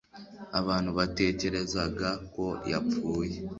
abantu batekerezaga ko yapfuye